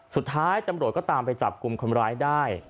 สุดท้ายตำรวจก็ตามไปจับกลุ่มคนร้ายได้